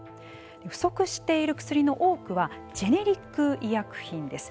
不足している薬の多くはジェネリック医薬品です。